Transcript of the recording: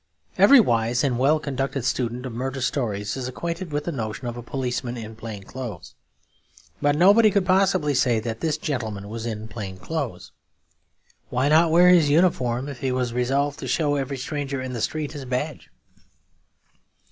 Every wise and well conducted student of murder stories is acquainted with the notion of a policeman in plain clothes. But nobody could possibly say that this gentleman was in plain clothes. Why not wear his uniform, if he was resolved to show every stranger in the street his badge?